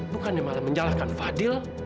bukan dia malah menyalahkan fadil